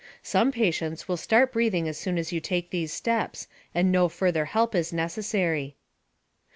Some patients will start breathing as soon as you take these steps, and no further help is necessary.